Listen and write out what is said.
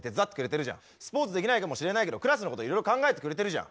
スポーツできないかもしれないけどクラスのこといろいろ考えてくれてるじゃん。